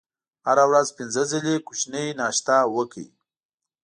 هره ورځ پنځه ځلې کوچنۍ ناشته وکړئ.